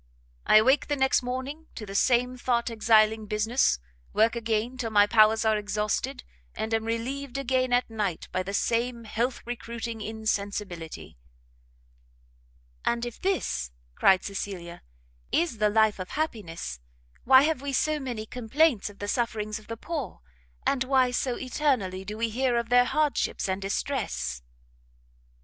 I awake the next morning to the same thought exiling business, work again till my powers are exhausted, and am relieved again at night by the same health recruiting insensibility." "And if this," cried Cecilia, "is the life of happiness, why have we so many complaints of the sufferings of the poor, and why so eternally do we hear of their hardships and distress?"